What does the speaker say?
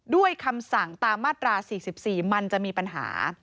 คำสั่งตามมาตรา๔๔มันจะมีปัญหา